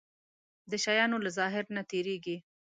د شيانو له ظاهر نه تېرېږي.